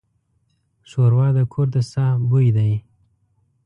ښوروا د کور د ساه بوی دی.